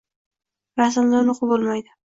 rasmda uni o‘qib bo‘lmaydi.